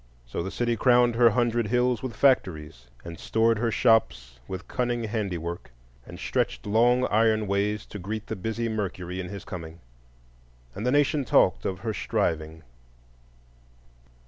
So the city crowned her hundred hills with factories, and stored her shops with cunning handiwork, and stretched long iron ways to greet the busy Mercury in his coming. And the Nation talked of her striving.